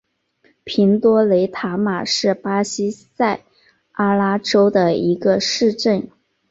平多雷塔马是巴西塞阿拉州的一个市镇。